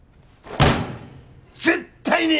絶対に！